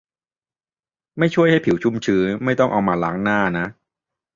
ไม่ช่วยให้ผิวชุ่มชื้น ไม่ต้องเอามาล้างหน้านะ